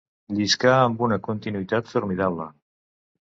Lliscà amb una continuïtat formidable.